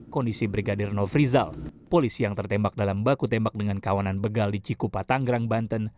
kondisi brigadir nofrizal polisi yang tertembak dalam baku tembak dengan kawanan begal di cikupa tanggerang banten